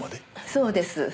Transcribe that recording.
そうです。